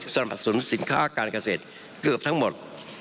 สนับสนุนสินค้าการเกษตรเกือบทั้งหมด